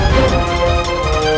pergi ke luar